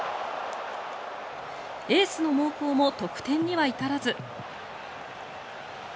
エースの猛攻も得点には至らず。